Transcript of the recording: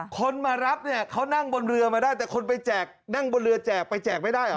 คนมารับเนี่ยเขานั่งบนเรือมาได้แต่คนไปแจกนั่งบนเรือแจกไปแจกไม่ได้เหรอ